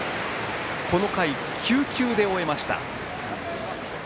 この回、９球で終えました。